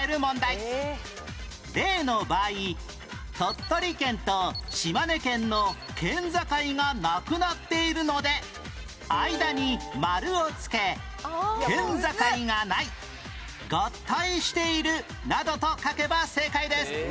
例の場合鳥取県と島根県の県境がなくなっているので間に丸をつけ県境がない合体しているなどと書けば正解です